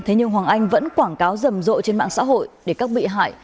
thế nhưng hoàng anh vẫn quảng cáo rầm rộ trên mạng xã hội để các bị hại